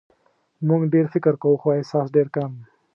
موږ ډېر فکر کوو خو احساس ډېر کم.